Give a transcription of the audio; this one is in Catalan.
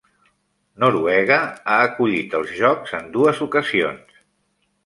Noruega ha acollit els jocs en dues ocasions.